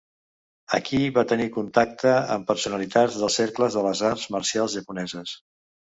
Aquí va tenir contacte amb personalitats dels cercles de les arts marcials japoneses.